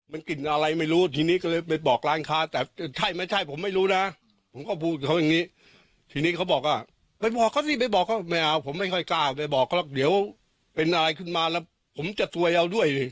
มันกลิ่นอะไรไม่รู้ทีนี้ก็เลยไปบอกร้านค้าแต่ใช่ไม่ใช่ผมไม่รู้นะผมก็พูดกับเขาอย่างนี้ทีนี้เขาบอกว่าไปบอกเขาสิไปบอกเขาไม่เอาผมไม่ค่อยกล้าออกไปบอกเขาหรอกเดี๋ยวเป็นอะไรขึ้นมาแล้วผมจะซวยเอาด้วย